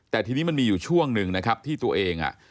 แต่ทีนี้มันมีอยู่ช่วงหนึ่งนะครับที่ตัวเอง